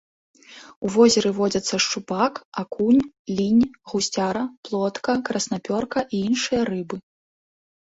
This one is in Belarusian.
У возеры водзяцца шчупак, акунь, лінь, гусцяра, плотка, краснапёрка і іншыя рыбы.